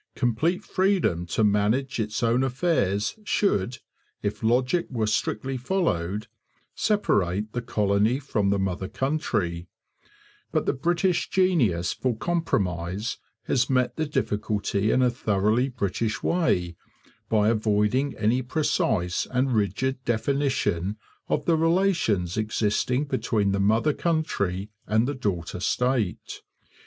Complete freedom to manage its own affairs should, if logic were strictly followed, separate the colony from the mother country; but the British genius for compromise has met the difficulty in a thoroughly British way by avoiding any precise and rigid definition of the relations existing between the mother country and the daughter state.